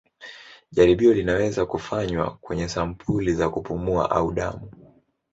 Jaribio linaweza kufanywa kwenye sampuli za kupumua au damu.